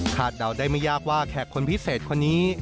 เดาได้ไม่ยากว่าแขกคนพิเศษคนนี้